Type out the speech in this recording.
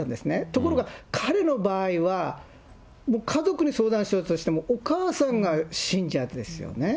ところが彼の場合は、もう家族に相談しようとしても、お母さんが信者ですよね。